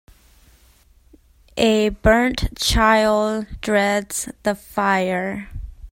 A burnt child dreads the fire.